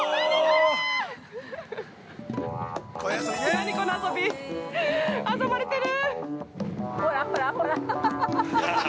◆何、この遊び、遊ばれてる。